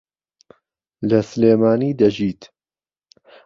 لە سلێمانی دەژیت.